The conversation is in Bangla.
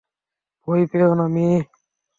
ভয় পেও না, মেয়ে।